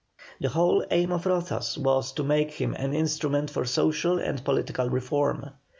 The whole aim of Rozas was to make him an instrument for social and political reform.